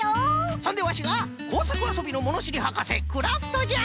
そんでワシがこうさくあそびのものしりはかせクラフトじゃ！